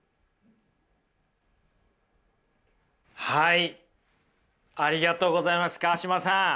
はいありがとうございます川島さん。